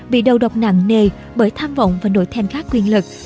bị đầu độc nặng nề bởi tham vọng và nội thêm khá quyền lực